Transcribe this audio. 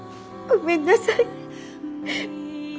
ごめんなさい。